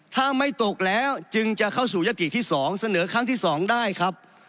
ถ้าไม่ตกแล้วจึงจะเข้าสู่ยติที่๒เสนอครั้งที่๒ได้ครับ